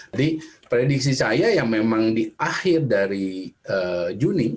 jadi prediksi saya yang memang di akhir dari juni